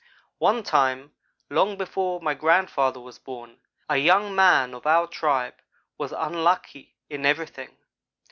"One time, long before my grandfather was born, a young man of our tribe was unlucky in everything.